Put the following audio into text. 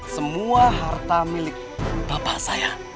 semua harta milik bapak saya